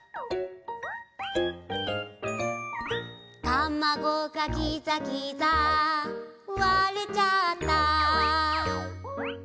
「たまごがギザギザ割れちゃった」